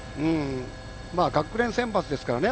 学連選抜ですからね。